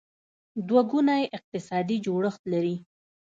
دوه ګونی اقتصادي جوړښت لري.